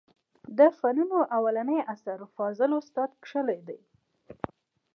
د فنونو اولنى اثر فاضل استاد کښلى دئ.